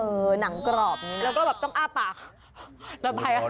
เออหนังกรอบแล้วก็แบบต้องอ้าปาก